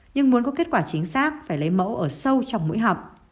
nhưng muốn có kết quả chính xác phải lấy mẫu ở sâu trong mũi họp